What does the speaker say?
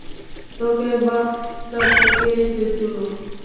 তোকে বাঁচাতে কে এসেছিল?